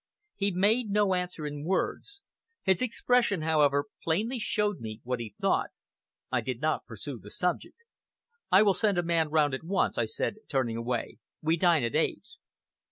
He made no answer in words. His expression, however, plainly showed me what he thought. I did not pursue the subject. "I will send a man round at once," I said, turning away. "We dine at eight."